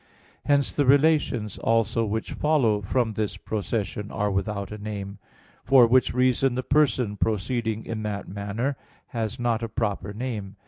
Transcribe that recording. Hence the relations also which follow from this procession are without a name (Q. 28, A. 4): for which reason the Person proceeding in that manner has not a proper name.